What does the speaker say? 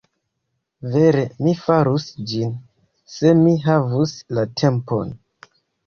Vere mi farus ĝin, se mi havus la tempon.